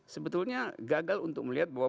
sebetulnya gagal untuk melihat bahwa